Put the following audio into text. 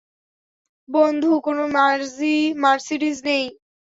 বন্ধু, কোনো মার্সিডিজ নেই।